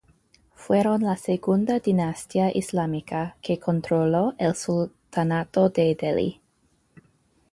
Fueron la segunda dinastía islámica que controló el sultanato de Delhi.